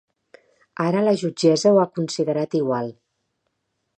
Ara la jutgessa ho ha considerat igual.